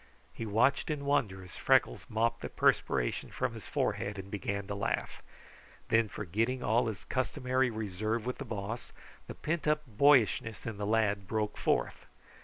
He watched in wonder as Freckles mopped the perspiration from his forehead and began to laugh. Then, forgetting all his customary reserve with the Boss, the pent up boyishness in the lad broke forth.